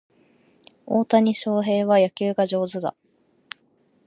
大谷翔平は野球が上手だ